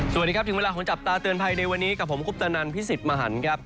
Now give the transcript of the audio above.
สวัสดีครับถึงเวลาของจับตาเตือนภัยในวันนี้กับผมคุปตนันพิสิทธิ์มหันครับ